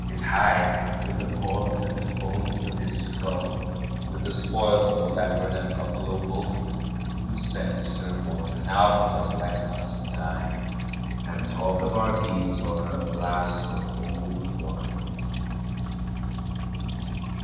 His hide, with the paws and the bones of his skull, With the spoils of the leopard and buffalo bull, We'll send to Sir Walter now, boys, let us dine, And talk of our deeds o'er a flask of old wine.